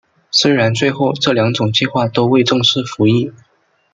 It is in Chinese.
虽然最后这两种计划都未正式服役。